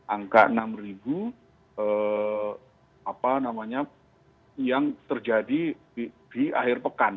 angka enam yang terjadi di akhir pekan